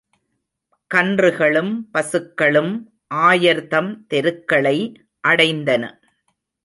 கன்றுகளும், பசுக்களும், ஆயர்தம் தெருக்களை அடைந்தன.